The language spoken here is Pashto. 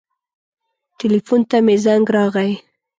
ټیلیفون ته مې زنګ راغی.